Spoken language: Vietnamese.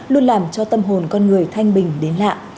luôn làm cho tâm hồn con người thanh bình đến lạ